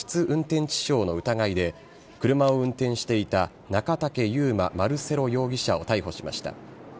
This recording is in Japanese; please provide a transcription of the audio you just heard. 運転致傷の疑いで車を運転していた中武祐満マルセロ容疑者を逮捕しました。